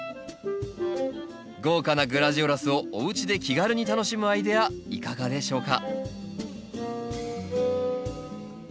豪華なグラジオラスをおうちで気軽に楽しむアイデアいかがでしょうか？